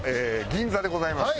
銀座でございます。